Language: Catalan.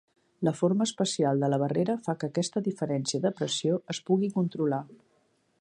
La forma especial de la barrera fa que aquesta diferència de pressió es pugui controlar.